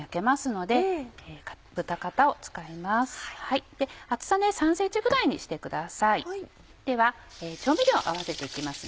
では調味料合わせて行きますね。